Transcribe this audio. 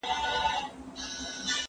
دا پوښتنه له هغه اسانه ده؟